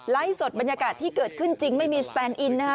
สดบรรยากาศที่เกิดขึ้นจริงไม่มีสแตนอินนะคะ